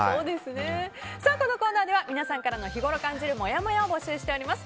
このコーナーでは皆さんから日頃感じるもやもやを募集しております。